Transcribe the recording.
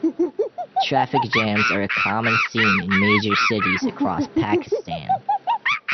Traffic jams are a common scene in major cities across Pakistan.